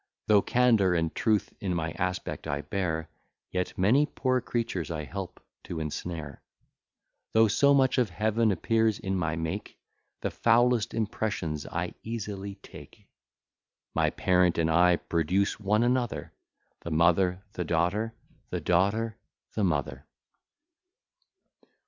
Though candour and truth in my aspect I bear, Yet many poor creatures I help to ensnare. Though so much of Heaven appears in my make, The foulest impressions I easily take. My parent and I produce one another, The mother the daughter, the daughter the mother.